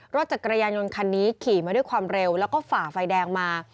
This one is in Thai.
รถจักรยานยนต์คันนี้ขี่มาด้วยความเร็วแล้วก็ฝ่าไฟแดงมา